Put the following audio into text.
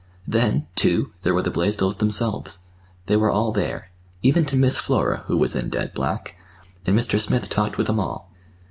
Then, too, there were the Blaisdells themselves. They were all there, even to Miss Flora, who was in dead black; and Mr. Smith talked with them all.